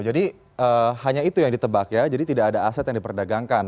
jadi hanya itu yang ditebak ya jadi tidak ada aset yang diperdagangkan